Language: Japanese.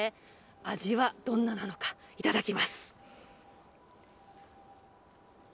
味はどんななのか、いただきます。